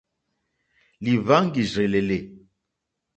Lìhváŋgìrzèlèlè.